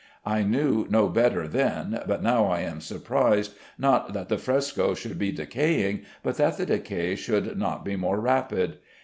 I knew no better then, but now I am surprised, not that the frescoes should be decaying, but that the decay should not be more rapid.